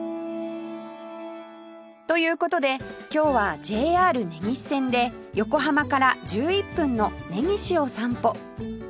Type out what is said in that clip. という事で今日は ＪＲ 根岸線で横浜から１１分の根岸を散歩